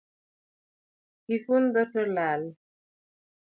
Kifund dhot olal